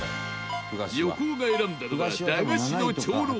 横尾が選んだのは駄菓子の長老